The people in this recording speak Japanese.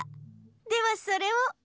ではそれを。